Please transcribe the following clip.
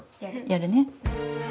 やるね。